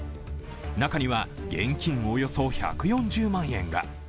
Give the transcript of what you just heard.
中には現金およそ１４０万円が。